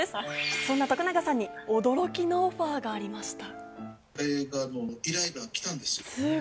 そんな徳永さんに驚きのオファーがありました。